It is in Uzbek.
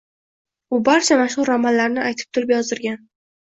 U barcha mashhur romanlarini aytib turib yozdirgan